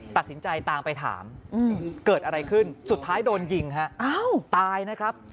ตัดสินใจตามไปถามเกิดอะไรขึ้นสุดท้ายโดนยิงฮะตายนะครับ